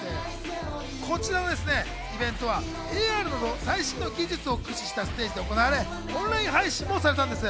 こちらのイベントはＡＲなど最新の技術を駆使したステージで行われ、オンライン配信もされたんです。